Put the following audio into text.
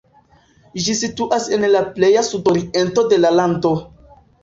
Ĝi situas en la pleja sudoriento de la lando.